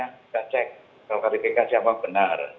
kita cek kalau tadi tk siapa benar